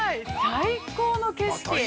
最高の景色。